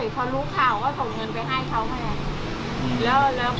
พอรู้ข่าวว่าส่งเงินไปให้เขาไง